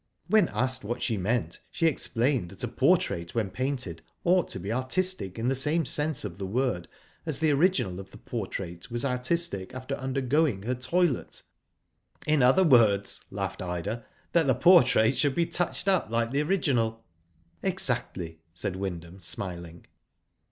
" When asked what she meant, she explained that a portrait, when painted, ought to be artistic in the same sense of the word as the original of the portrait was artistic after undergoing her toilet." ''In other words," laughed Ida, "that the portrait should be touched up like the original." "Exactly," said Wyndham, smiling.